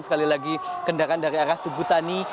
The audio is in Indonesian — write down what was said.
sekali lagi kendaraan dari arah tugutani